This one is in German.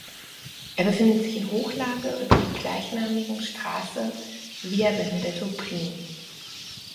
Er befindet sich in Hochlage über die gleichnamigen Straße ("via Benedetto Brin").